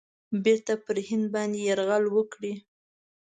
بیرته پر هند باندي یرغل وکړي.